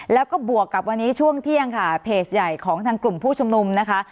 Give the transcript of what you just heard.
แล้วก็บวกกับวันนี้ช่วงเที่ยงค่ะเพจใหญ่ของทางกลุ่มผู้ชุมนุมนะคะ